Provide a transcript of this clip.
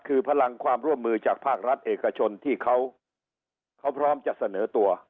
คือพลังความร่วมมือจากภาครัฐเอกชนที่เขาพร้อมจะเสนอตัว